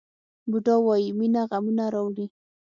بودا وایي مینه غمونه راوړي.